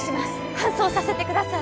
搬送させてください